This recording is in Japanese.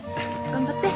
頑張って。